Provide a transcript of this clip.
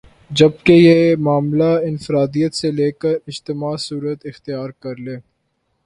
جبکہ یہ معاملہ انفراد عیت سے ل کر اجتماع صورت اختیار کر لے